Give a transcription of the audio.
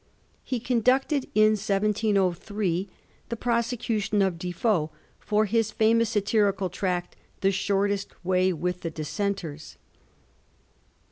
He conducted in 1703 the prosecution of Defoe for his famous satirical tract, * The Shortest Way with the Dissenters.'